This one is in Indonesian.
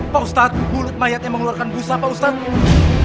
pak ustadz mulut mayatnya mengeluarkan busa pak ustadz